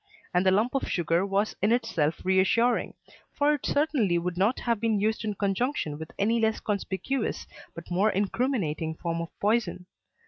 And the lump of sugar was in itself reassuring, for it certainly would not have been used in conjunction with any less conspicuous but more incriminating form of poison.